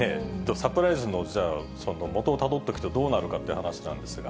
サプライズのもとをたどっていくとどうなるかという話なんですが。